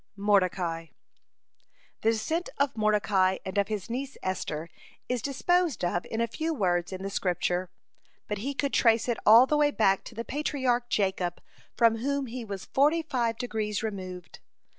(55) MORDECAI The descent of Mordecai and of his niece Esther is disposed of in a few words in the Scripture. But he could trace it all the way back to the Patriarch Jacob, from whom he was forty five degrees removed.